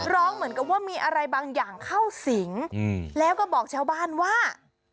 ร้องเหมือนกับว่ามีอะไรบางอย่างเข้าสิงแล้วก็บอกชาวบ้านว่า